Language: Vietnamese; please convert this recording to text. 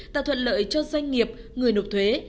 tạo thuận lợi cho doanh nghiệp người nộp thuế